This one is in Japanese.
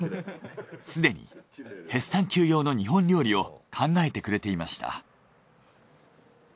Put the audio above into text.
すでにヘスタンキュー用の日本料理を考えてくれていました。